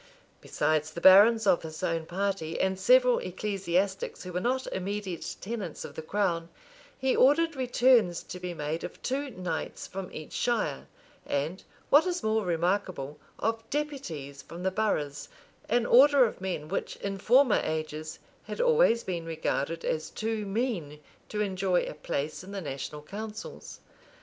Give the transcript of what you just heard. Besides the barons of his own party, and several ecclesiastics, who were not immediate tenants of the crown, he ordered returns to be made of two knights from each shire, and, what is more remarkable, of deputies from the boroughs, an order of men which, in former ages, had always been regarded as too mean to enjoy a place in the national councils.